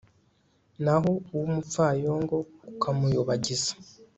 naho uw'umupfayongo ukamuyobagiza